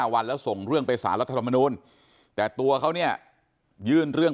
วันแล้วส่งเรื่องไปสารรัฐธรรมนูลแต่ตัวเขาเนี่ยยื่นเรื่อง